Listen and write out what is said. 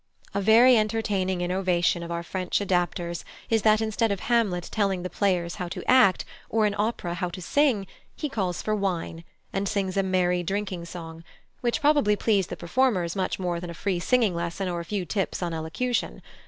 A very entertaining innovation of our French adapters is that instead of Hamlet telling the players how to act, or in opera how to sing, he calls for wine, and sings a merry drinking song, which probably pleased the performers much more than a free singing lesson or a few tips on elocution.